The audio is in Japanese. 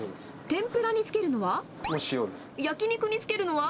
天ぷらにつけるのは？